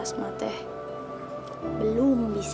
kau herda te disciplines damai sih